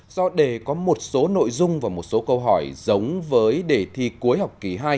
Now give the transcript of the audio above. do đề có một số nội dung và một số câu hỏi giống với đề thi cuối học kỳ hai